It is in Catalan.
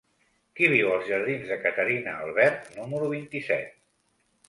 Qui viu als jardins de Caterina Albert número vint-i-set?